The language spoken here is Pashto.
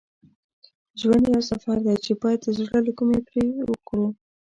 ژوند یو سفر دی چې باید د زړه له کومي پرې کړو.